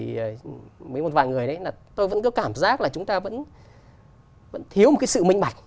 thì với một vài người đấy là tôi vẫn cứ cảm giác là chúng ta vẫn thiếu một cái sự minh bạch